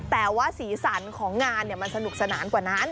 แต่ว่าสีสันของงานมันสนุกสนานกว่านั้น